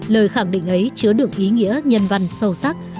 lời khẳng định ấy chứa được ý nghĩa nhân văn sâu sắc